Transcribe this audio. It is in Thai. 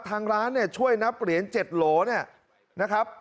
ทางร้านเนี่ยช่วยนับเหรียญ๗โหลเนี่ยนะครับ